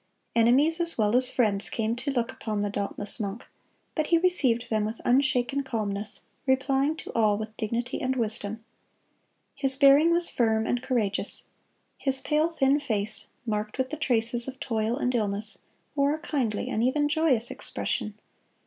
(212) Enemies, as well as friends, came to look upon the dauntless monk; but he received them with unshaken calmness, replying to all with dignity and wisdom. His bearing was firm and courageous. His pale, thin face, marked with the traces of toil and illness, wore a kindly and even joyous expression.